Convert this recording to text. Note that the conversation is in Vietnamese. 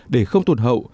để không tuột hậu